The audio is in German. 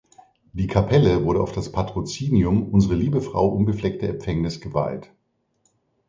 Die Kapelle wurde auf das Patrozinium Unsere Liebe Frau Unbefleckte Empfängnis geweiht.